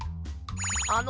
あの。